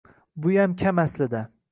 Buyam kam aslida.